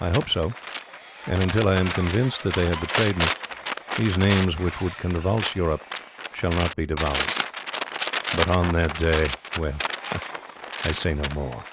I hope so, and until I am convinced that they have betrayed me, these names, which would convulse Europe, shall not be divulged. But on that day ... well, I say no more!